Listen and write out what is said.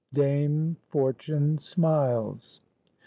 DAME FORTUNE SMILES.